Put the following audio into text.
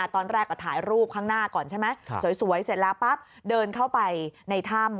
ตอนแรกก็ถ่ายรูปข้างหน้าก่อนใช่ไหมสวยเสร็จแล้วปั๊บเดินเข้าไปในถ้ำ